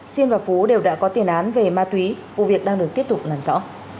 sinh và phú đều đã có tiền án về ma túy vụ việc đang được tiếp tục làm rõ